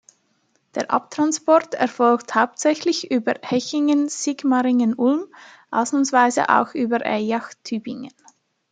Der Abtransport erfolgt hauptsächlich über Hechingen-Sigmaringen-Ulm, ausnahmsweise auch über Eyach-Tübingen.